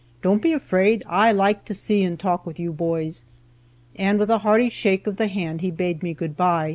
Don't be afraid! I like to see and talk with you boys!" and with a hearty shake of the hand he bade me good by.